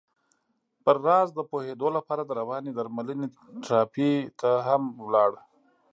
پر راز د پوهېدو لپاره د روانې درملنې تراپۍ ته هم ولاړ.